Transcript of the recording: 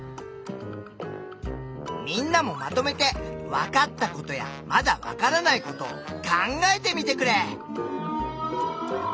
みんなもまとめてわかったことやまだわからないことを考えてみてくれ！